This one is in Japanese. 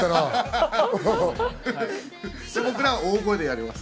大声でやります。